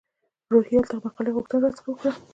روهیال د مقالې غوښتنه را څخه وکړه.